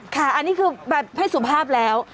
ค่ะอันนี้คือแบบให้สุภาพแล้ว